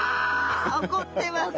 怒ってますね。